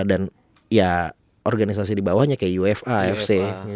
dan ya organisasi di bawahnya kayak ufa fc